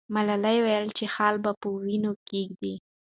ملالۍ وویل چې خال به پر وینو کښېږدي.